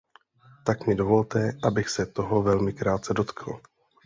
Tak mi dovolte, abych se toho velmi krátce dotkl.